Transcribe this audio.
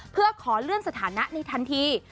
เพื่อขอเลื่อนสถานะในทันที